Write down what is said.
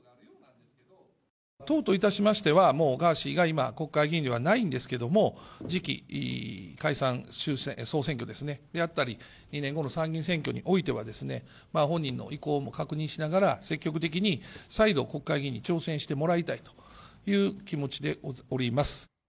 党といたしましては、もうガーシーが今、国会議員ではないんですけども、次期解散・総選挙であったり、２年後の参議院選挙においては、本人の意向も確認しながら、積極的に再度、国会議員に挑戦してもらいたいという気持ちでおります。